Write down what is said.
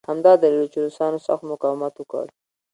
همدا دلیل و چې روسانو سخت مقاومت وکړ